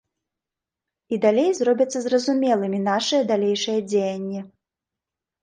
І далей зробяцца зразумелымі нашыя далейшыя дзеянні.